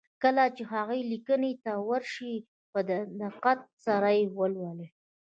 کله چې هغې ليکنې ته ور شئ په دقت سره يې ولولئ.